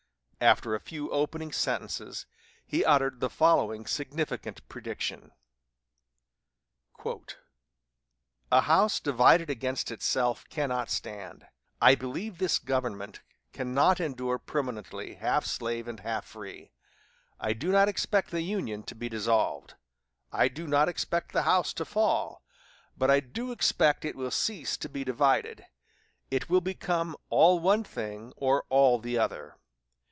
After a few opening sentences, he uttered the following significant prediction: "'A house divided against itself cannot stand.' I believe this government cannot endure permanently, half slave and half free. I do not expect the Union to be dissolved I do not expect the house to fall but I do expect it will cease to be divided. It will become all one thing or all the other.